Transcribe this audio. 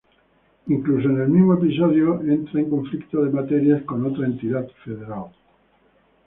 Incluso en el mismo episodio entra en conflicto de materias con otra entidad federal.